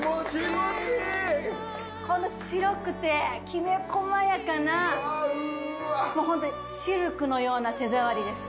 この白くてきめ細やかなもうホントにシルクのような手触りです